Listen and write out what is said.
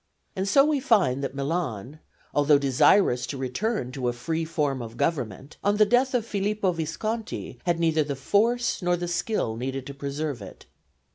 And so we find that Milan, although desirous to return to a free form of government, on the death of Filippo Visconti, had neither the force nor the skill needed to preserve it.